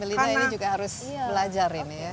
elina ini juga harus belajar ini ya